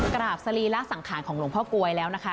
กราบสรีระสังขารของหลวงพ่อกลวยแล้วนะคะ